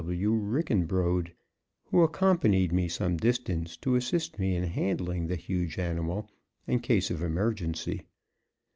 W. Rickenbrode, who accompanied me some distance to assist me in handling the huge animal, in case of emergency.